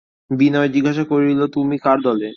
বিনয় জিজ্ঞাসা করিল, তুমি কার দলে?